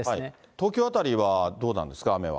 東京辺りはどうなんですか、雨は。